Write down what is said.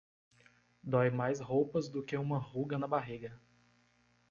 Dói mais roupas do que uma ruga na barriga.